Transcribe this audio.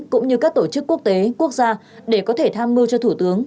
cũng như các tổ chức quốc tế quốc gia để có thể tham mưu cho thủ tướng